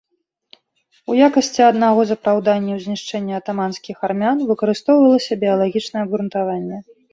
У якасці аднаго з апраўданняў знішчэння атаманскіх армян выкарыстоўвалася біялагічнае абгрунтаванне.